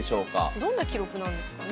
どんな記録なんですかね。